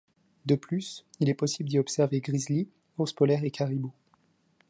De plus, il est possible d'y observer grizzlis, ours polaires et caribous.